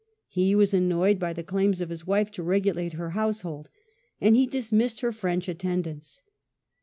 He was annoyed by the claims of his wife to regulate her household, and he dismissed her French attendants.